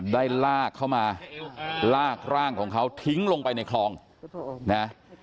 ได้ลากเข้ามาลากร่างของเขาทิ้งลงไปในคลองนะ